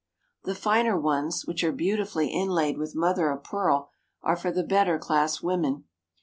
The finer ones, which are beautifully inlaid with mother of pearl, are for the better class women.